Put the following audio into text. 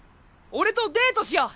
俺とデートしよう！